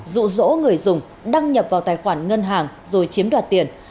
dụ dỗ người dùng đăng nhập vào tài khoản ngân hàng rồi chiếm đoạt tiền